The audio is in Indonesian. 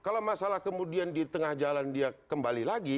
kalau masalah kemudian di tengah jalan dia kembali lagi